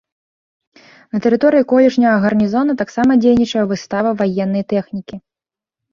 На тэрыторыі колішняга гарнізона таксама дзейнічае выстава ваеннай тэхнікі.